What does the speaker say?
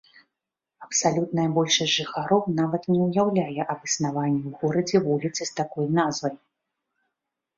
Абсалютная большасць жыхароў нават не ўяўляе аб існаванні ў горадзе вуліцы з такой назвай.